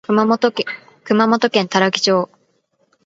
熊本県多良木町